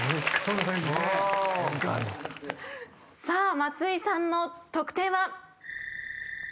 さあ松井さんの得点は？